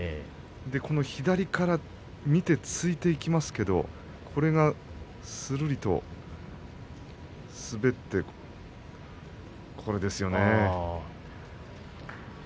左から見て突いていきますけどこれが、するりと滑ってこれですよね。